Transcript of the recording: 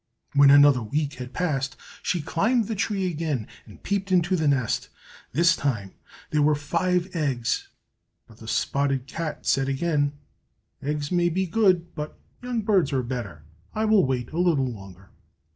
When another week had passed, she climbed the tree again and peeped into the nest. This time there were five eggs. But the spotted cat said again, "Eggs may be good, but young birds are better. I will wait a little longer!"